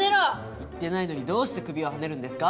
言ってないのにどうして首をはねるんですか？